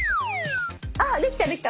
あっできたできた！